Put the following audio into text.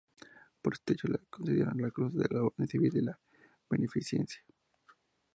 Por este hecho le concedieron la Cruz de la Orden Civil de la Beneficencia.